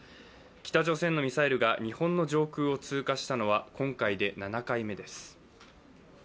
北朝鮮のミサイルが日本の上空を通過したのは今回で７回目です。